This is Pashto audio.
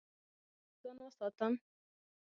ایا له سړو ځان وساتم؟